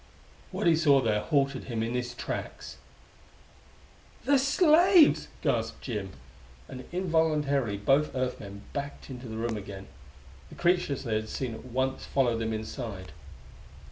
What he saw there halted, him in his tracks. "The slaves!" gasped Jim, and involuntarily both Earth men backed into the room again. The creatures they had seen at once followed them inside.